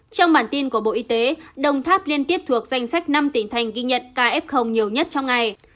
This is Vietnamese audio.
trong bản tin của bộ y tế đồng tháp liên tiếp thuộc danh sách năm tỉnh thành ghi nhận caf nhiều nhất trong ngày